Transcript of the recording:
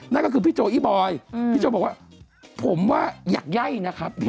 นั่นก็คือพี่โจอีบอยพี่โจบอกว่าผมว่าอยากไย่นะครับ